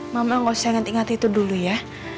mama gak usah inget inget itu dulu ya